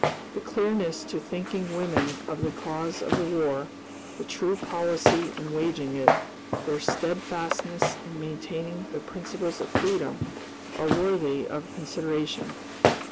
The clearness to thinking women of the cause of the War; the true policy in waging it; their steadfastness in maintaining the principles of freedom, are worthy of consideration.